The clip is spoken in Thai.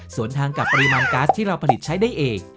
ส่วนทางกับปริมาณก๊าซที่เราผลิตใช้ได้เอง